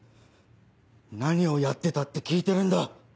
何をやってたって聞いてるんだ。